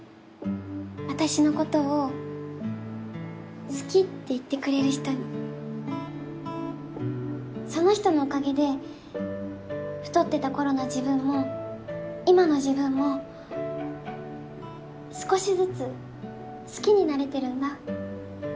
私のことを好きって言ってくれる人にその人のおかげで太ってた頃の自分も今の自分も少しずつ好きになれてるんだ